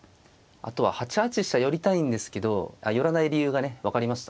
あとは８八飛車寄りたいんですけど寄らない理由がね分かりました。